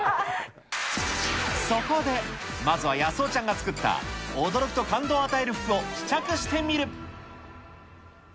そこで、まずはやすおちゃんが作った驚きと感動を与える服を試着してみる。